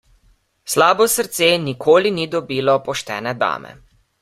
Slabo srce nikoli ni dobilo poštene dame.